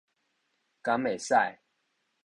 敢會使